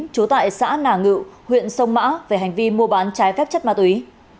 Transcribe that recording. chú tại xã nà ngự huyện sông mã về hành vi mua bán trái phép chất ma túy